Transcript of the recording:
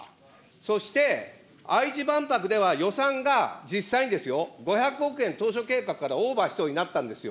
そして、愛知万博では予算が実際に５００億円、当初計画からオーバーしそうになったんですよ。